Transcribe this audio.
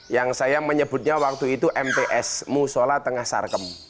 yang saya menyebutnya waktu itu mps musola tengah sarkem